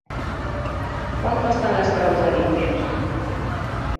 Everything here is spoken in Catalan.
Quant costen les proves de dibuixos?